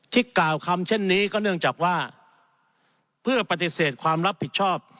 กล่าวคำเช่นนี้ก็เนื่องจากว่าเพื่อปฏิเสธความรับผิดชอบ